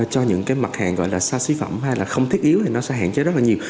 cho những cái mặt hàng gọi là xa xí phẩm hay là không thiết yếu thì nó sẽ hạn chế rất là nhiều